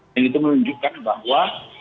dan itu menunjukkan bahwa